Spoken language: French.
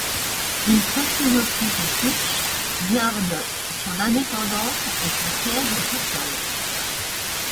Il précise aussi que Twitch garde son indépendance et son siège social.